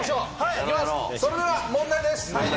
それでは問題です。